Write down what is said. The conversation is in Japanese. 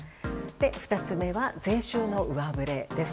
２つ目は、税収の上振れです。